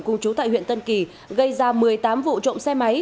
cùng chú tại huyện tân kỳ gây ra một mươi tám vụ trộm xe máy